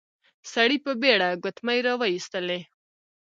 سړی په بېړه ګوتمی راويستلې.